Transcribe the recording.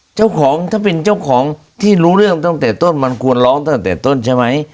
เจ้าของถ้าเป็นเจ้าของที่รู้เรื่องตั้งแต่ต้นมันควรร้องตั้งแต่ต้นใช่ไหม